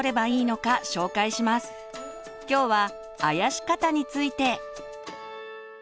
今日は「あやし方」について。